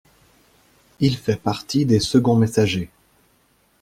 Il fait partie des seconds messagers.